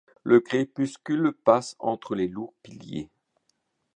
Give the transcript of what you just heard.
Le crépuscule passe entre les lourds piliers